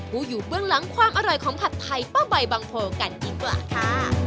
ผู้อยู่พรุ่งหลังความอร่อยของผัดไทยป้าใบปางโพกันกินเตอะค่ะ